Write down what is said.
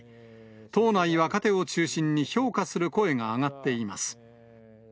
党内若手を中心に、評価する声が上がっています。